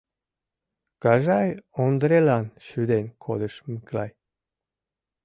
— Кажай Ондрелан шӱден кодыш Мӱклай.